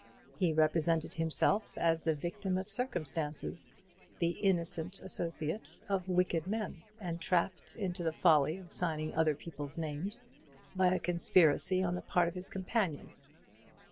He represented himself as the victim of circumstances, the innocent associate of wicked men, entrapped into the folly of signing other people's names by a conspiracy on the part of his companions.